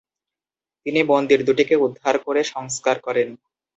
তিনি মন্দির দুটিকে উদ্ধার করে সংস্কার করেন।